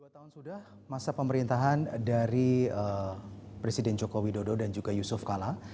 dua tahun sudah masa pemerintahan dari presiden joko widodo dan juga yusuf kala